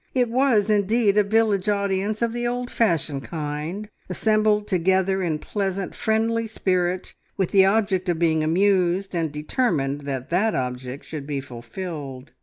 It was, indeed, a village audience of the old fashioned kind, assembled together in pleasant, friendly spirit, with the object of being amused, and determined that that object should be fulfilled.